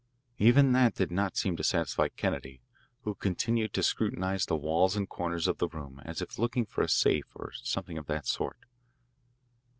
Even that did not seem to satisfy Kennedy, who continued to scrutinise the walls and corners of the room as if looking for a safe or something of that sort.